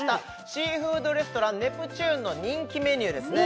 シーフードレストランネプチューンの人気メニューですね